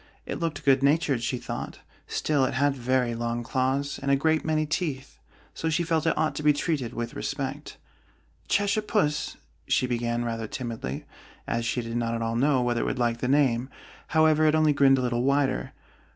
It looked good natured, she thought: still it had very long claws and a great many teeth, so she felt it ought to be treated with respect. "Cheshire Puss," she began, rather timidly, as she did not at all know whether it would like the name: however, it only grinned a little wider.